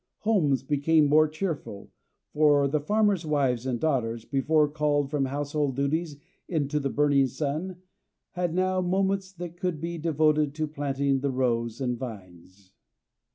Homes became more cheerful, for the farmers' wives and daughters, before called from household duties into the burning sun, had now moments that could be devoted to planting the rose and vines.